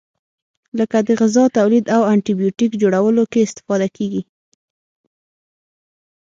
لکه د غذا تولید او انټي بیوټیک جوړولو کې استفاده کیږي.